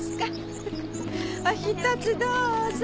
フフフおひとつどうぞ。